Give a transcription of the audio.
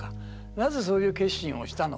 なぜそういう決心をしたのか。